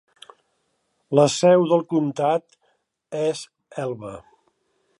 La seu del comtat és Elba.